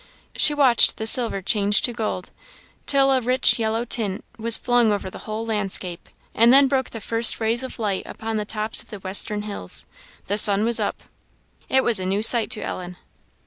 She watched the silver change to gold, till a rich yellow tint was flung over the whole landscape, and then broke the first rays of light upon the tops of the western hills the sun was up. It was a new sight to Ellen.